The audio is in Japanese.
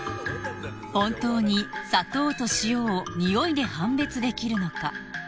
本当に砂糖と塩を匂いで判別できるのか？